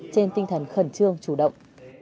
trên tinh thần khẩn trương chủ động